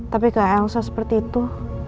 tapi kayak elsa seperti itu